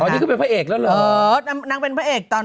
นี่คือเป็นพระเอกแล้วเหรอเอ้อน้ำน้ํึ้งนักเป็นพระเอกตอน